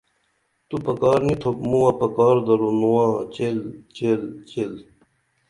تو پکار نی تُھپ مُوہ پکار درو نواں چیل چیل چیل